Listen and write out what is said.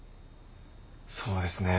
そうですね。